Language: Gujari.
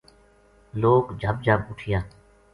لوک جھب جھب اُٹھیا